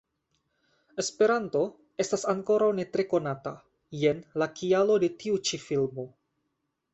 Esperanto estas ankoraŭ ne tre konata, jen la kialo de tiu ĉi filmo.